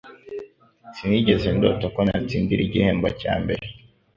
Sinigeze ndota ko natsindira igihembo cya mbere.